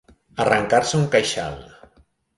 Arrencar-se un queixal.